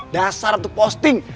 dasar untuk posting